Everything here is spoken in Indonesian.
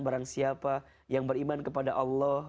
barang siapa yang beriman kepada allah